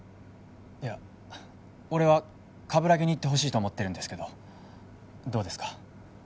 いや俺は鏑木に行ってほしいと思ってるんですけどどうですか？